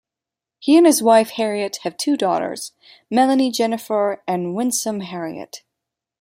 He and his wife Harriet have two daughters, Melanie Jennifer and Wynsome Harriet.